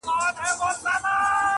خو په شا یې وړل درانه درانه بارونه؛